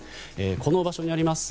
この場所にあります